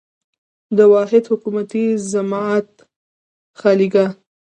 د واحد حکومتي زعامت خالیګاه.